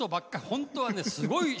本当は、すごい。